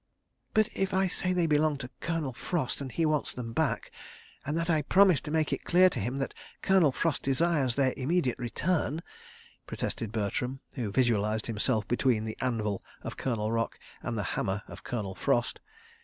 ..." "But if I say they belong to Colonel Frost and that he wants them back—and that I promised to make it clear to him that Colonel Frost desires their immediate return," protested Bertram, who visualised himself between the anvil of Colonel Rock and the hammer of Colonel Frost.